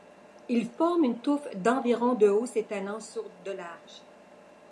Il forme une touffe d'environ de haut s'étalant sur de large.